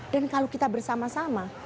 dan kalau kita bersama sama